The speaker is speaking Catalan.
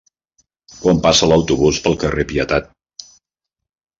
Quan passa l'autobús pel carrer Pietat?